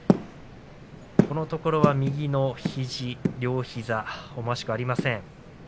このところは右の肘、両膝思わしくありません。